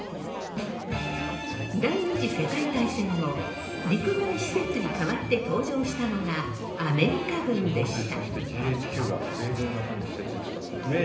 第２次世界大戦後陸軍施設に代わって登場したのがアメリカ軍でした。